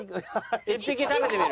１匹食べてみる？